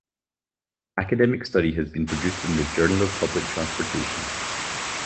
An academic study has been produced in the "Journal of Public Transportation".